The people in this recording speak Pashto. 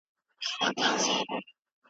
میرویس نیکه د هوتکو د کورنۍ مشر و.